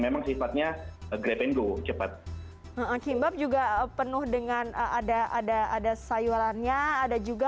memang sifatnya grab and go cepat kimbab juga penuh dengan ada ada sayurannya ada juga